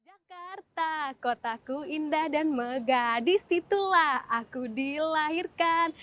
jakarta kotaku indah dan megah disitulah aku dilahirkan